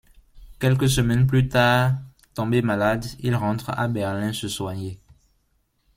Quelques semaines plus tard tombé malade il rentre à Berlin se soigner.